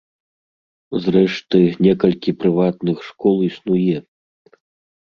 Зрэшты, некалькі прыватных школ існуе.